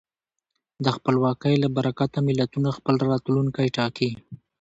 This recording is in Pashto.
د خپلواکۍ له برکته ملتونه خپل راتلونکی ټاکي.